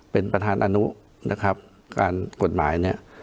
เป็นประธานอนุนะครับการกฎหมายเนี่ย